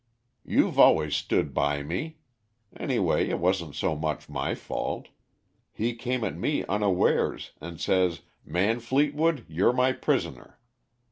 "You've always stood by me anyway, it wasn't so much my fault he came at me unawares, and says 'Man Fleetwood, you're my prisoner!'